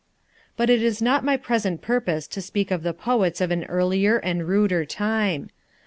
But it is not my present purpose to speak of the poets of an earlier and ruder time.